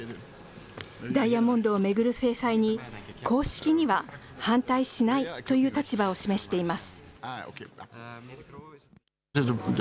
ダイヤモンドを巡る制裁に、公式には反対しないという立場を示しています。